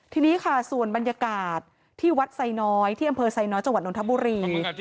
ทีนี้ค่ะส่วนบรรยากาศที่วัดไซน้อยที่อำเภอไซน้อยจังหวัดนทบุรี